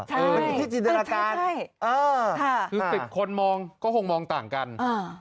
ใช่ใช่ใช่เออค่ะคือสิบคนมองก็คงมองต่างกันอ่า